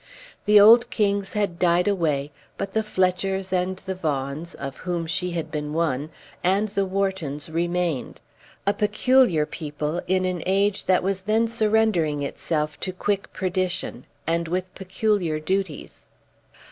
The old kings had died away, but the Fletchers, and the Vaughans, of whom she had been one, and the Whartons remained, a peculiar people in an age that was then surrendering itself to quick perdition, and with peculiar duties.